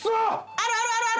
あるあるあるある。